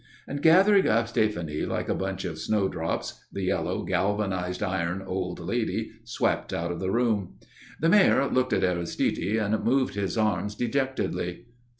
And gathering up Stéphanie like a bunch of snowdrops, the yellow, galvanized iron old lady swept out of the room. The Mayor looked at Aristide and moved his arms dejectedly.